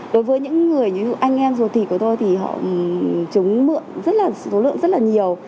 đối với những người như anh em ruột thịt của tôi thì họ chúng mượn rất là số lượng rất là nhiều